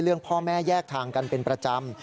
พ่อแม่แยกทางกันเป็นประจำ